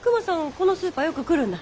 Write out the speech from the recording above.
このスーパーよく来るんだ。